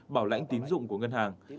bảo lãnh tín dụng của ngân hàng